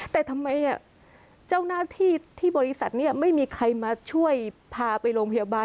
แต่ทำไมเจ้าหน้าที่ที่บริษัทนี้ไม่มีใครมาช่วยพาไปโรงพยาบาล